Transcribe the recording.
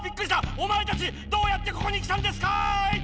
おまえたちどうやってここに来たんですかい⁉